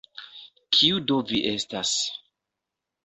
Kiu do vi estas?